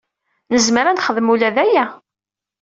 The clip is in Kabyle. Nezmer ad nexdem ula d aya.